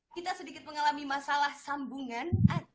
kita sedikit mengalami masalah sambungan